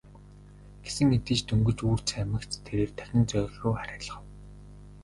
Гэсэн хэдий ч дөнгөж үүр цаймагц тэрээр дахин зоорьруу харайлгав.